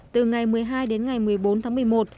từ ngày một mươi hai đến ngày một mươi bốn tháng một mươi một